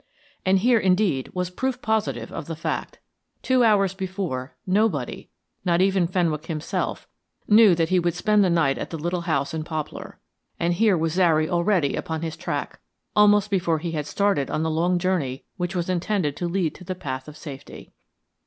And here, indeed, was proof positive of the fact. Two hours before, nobody, not even Fenwick himself, knew that he would spend the night at the little house in Poplar. And here was Zary already upon his track, almost before he had started on the long journey which was intended to lead to the path of safety.